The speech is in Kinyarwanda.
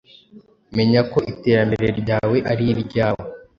menya ko iterambere ryawe ariryawe